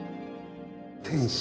天使？